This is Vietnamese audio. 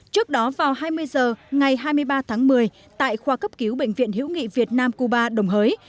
trước đó vào hai mươi h ngày hai mươi ba tháng một mươi tại khoa cấp cứu bệnh viện hữu nghị việt nam cuba đồng hới